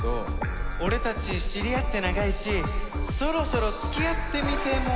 「オレたち知り合って長いしそろそろ付き合ってみても、、」。